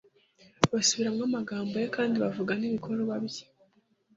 basubiramo amagambo ye kandi bavuga n'ibikorwa bye.